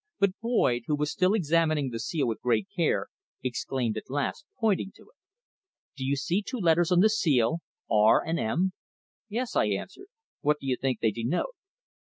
But Boyd, who was still examining the seal with great care, exclaimed at last, pointing to it "Do you see two letters on the seal, `R.' and `M.'?" "Yes," I answered. "What do you think they denote?"